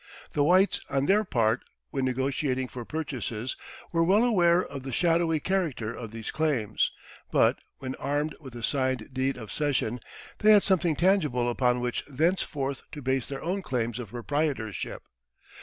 The whites, on their part, when negotiating for purchases, were well aware of the shadowy character of these claims; but, when armed with a signed deed of cession, they had something tangible upon which thenceforth to base their own claims of proprietorship.